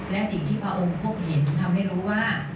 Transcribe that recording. และสิ่งที่พระองค์พบเห็นทำให้รู้ว่า